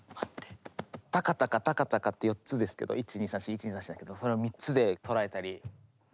「タカタカタカタカ」って４つですけど１・２・３・４・１・２・３・４だけどそれを３つで捉えたり。